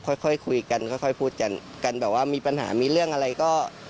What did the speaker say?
ค่อยคุยกันค่อยพูดกันกันแบบว่ามีปัญหามีเรื่องอะไรก็